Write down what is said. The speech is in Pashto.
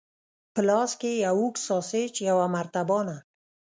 په لاس کې یې یو اوږد ساسیج، یوه مرتبانه.